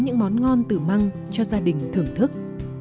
những món ngon từ măng cho gia đình thưởng thức